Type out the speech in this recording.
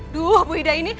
duh bu ida ini